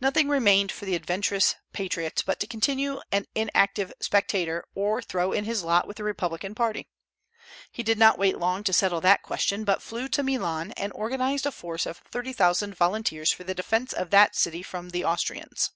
Nothing remained for the adventurous patriot but to continue an inactive spectator or throw in his lot with the republican party. He did not wait long to settle that question, but flew to Milan and organized a force of thirty thousand volunteers for the defence of that city from the Austrians.